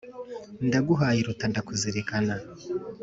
Ndaguhaye iruta ndakuzirikana.